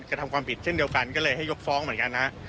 กระทำความผิดเช่นเดียวกันก็เลยให้ยกฟ้องเหมือนกันนะฮะ